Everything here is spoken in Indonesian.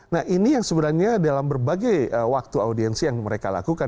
nah ini yang sebenarnya dalam berbagai waktu audiensi yang mereka lakukan